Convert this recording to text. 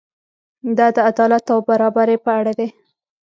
دا د عدالت او برابرۍ په اړه دی.